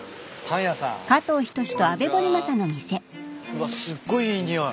うわすっごいいい匂い。